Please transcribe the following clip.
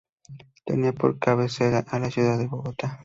Tenía por cabecera a la ciudad de Bogotá.